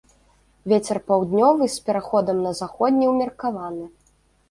Вецер паўднёвы з пераходам на заходні ўмеркаваны.